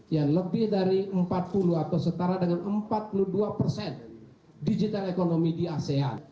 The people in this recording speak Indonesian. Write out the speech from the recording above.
yang lebih dari empat puluh atau setara dengan empat puluh dua persen digital ekonomi di asean